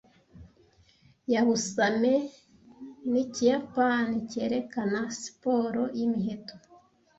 Yabusame ni ikiyapani cyerekana siporo y' Imiheto